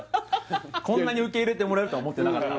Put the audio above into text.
こんなに受け入れてもらえるとは思ってなかった